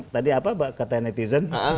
tadi apa kata netizen